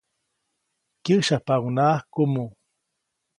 Kyäsyapaʼuŋnaʼak kumuʼ.